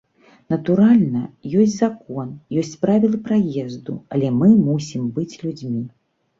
Натуральна, ёсць закон, ёсць правілы праезду, але мы мусім быць людзьмі.